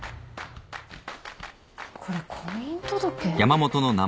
これ婚姻届？